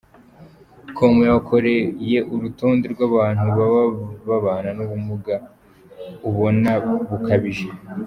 com yabakoreye urutonde rw’abantu baba babana n’ubumuga ubona bukabije.